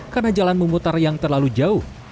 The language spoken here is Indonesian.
karena jalan memutar yang terlalu jauh